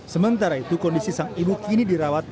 sementara itu kondisi sang ibu kini dirawat